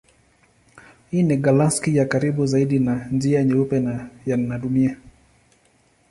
Hii ni galaksi ya karibu zaidi na Njia Nyeupe na Dunia.